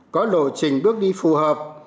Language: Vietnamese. có lộ trình bước đi phù hợp